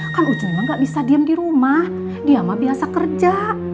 kan ncuy emang gak bisa diem di rumah dia mah biasa kerja